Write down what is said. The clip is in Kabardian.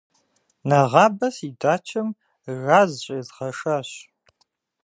Нэгъабэ си дачэм газ щӏезгъэшащ.